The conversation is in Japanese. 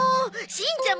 しんちゃん